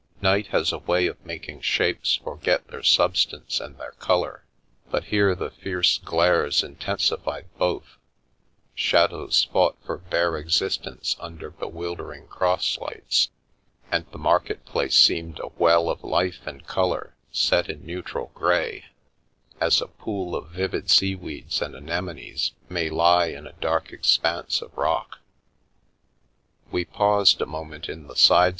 Night has a way of making shapes forget their substance and their colour, but here the fierce glares intensified both; shadows fought for bare existence under bewil dering cross lights, and the market place seemed a well of life and colour set in neutral grey ; as a pool of vivid seaweeds and anemones may lie in a dark expanse of rock. We paused a moment in the side